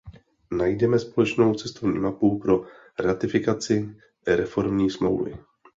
Najděme společnou cestovní mapu pro ratifikaci reformní smlouvy.